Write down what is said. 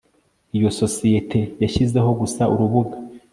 Iyo sosiyete yashyizeho gusa urubuga